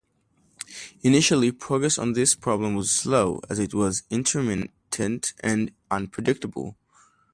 Initially, progress on this problem was slow, as it was intermittent and unpredictable.